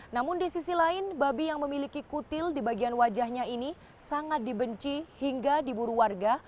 namun di sisi lain babi yang memiliki kutil di bagian wajahnya ini sangat dibenci hingga diburu warga